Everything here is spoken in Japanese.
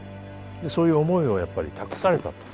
そういう思いをやっぱり託されたと。